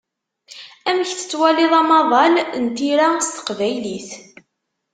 Amek tettwaliḍ amaḍal n tira s teqbaylit?